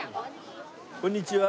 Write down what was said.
こんにちは。